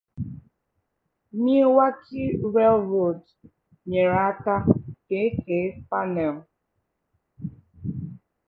The Milwaukee Railroad helped to create Parnell.